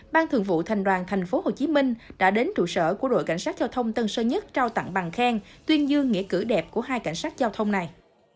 ban thường vụ thành đoàn tp hcm đã đến trụ sở của đội cảnh sát giao thông tân sơn nhất trao tặng bằng khen tuyên dương nghĩa cử đẹp của hai cảnh sát giao thông này